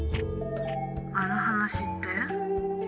あの話って？